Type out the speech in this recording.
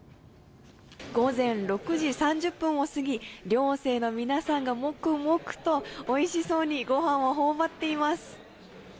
午前６時３０分を過ぎ寮生の皆さんが黙々とおいしそうにご飯をほお張っています。